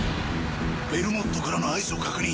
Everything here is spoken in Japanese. ベルモットからの合図を確認